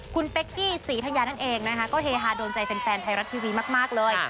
คุณเป๊กกี้ศรีธัญญานั่นเองนะคะก็เฮฮาโดนใจแฟนไทยรัฐทีวีมากเลย